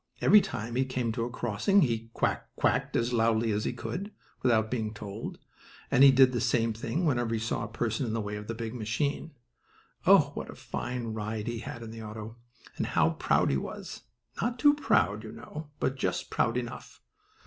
Every time he came to a crossing he "quack quacked" as loudly as he could, without being told, and he did the same thing whenever he saw a person in the way of the big machine. Oh, what a fine ride he had in the auto, and how proud he was! Not too proud, you know, but just proud enough.